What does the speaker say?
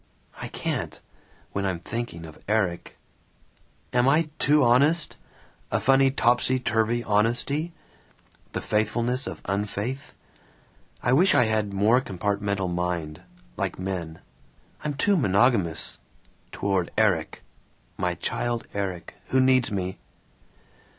I can't, when I'm thinking of Erik. Am I too honest a funny topsy turvy honesty the faithfulness of unfaith? I wish I had a more compartmental mind, like men. I'm too monogamous toward Erik! my child Erik, who needs me.